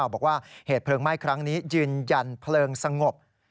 บอกว่าเหตุเพลิงไหม้ครั้งนี้ยืนยันเพลิงสงบ